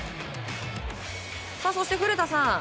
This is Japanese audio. そして、古田さん。